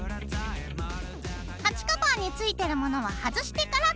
鉢カバーについてるものは外してから作っていくよ。